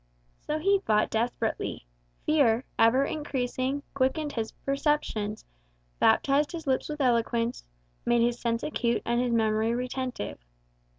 So he fought desperately. Fear, ever increasing, quickened his preceptions, baptized his lips with eloquence, made his sense acute and his memory retentive.